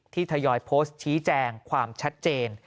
ทยอยโพสต์ชี้แจงความชัดเจน